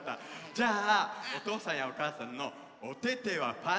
じゃあおとうさんやおかあさんのおててはパンになって。